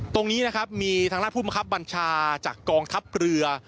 ตรงนี้นะครับมีทางราชผู้มครับบัญชาจากกองทับเหลือ